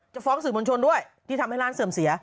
ฟ้องสื่อมวลชนด้วยที่ทำให้ร้านเสื่อมเสีย